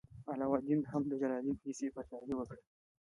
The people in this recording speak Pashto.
علاوالدین هم د جلال الدین پسې پاچاهي وکړه.